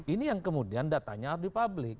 ini yang kemudian datanya harus di publik